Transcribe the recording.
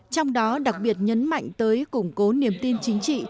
trong đó đặc biệt nhấn mạnh tới củng cố niềm tin chính trị